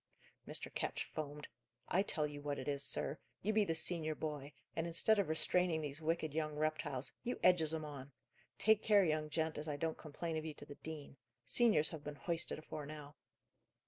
Mr. Ketch foamed. "I tell you what it is, sir. You be the senior boy, and, instead of restraining these wicked young reptiles, you edges 'em on! Take care, young gent, as I don't complain of you to the dean. Seniors have been hoisted afore now."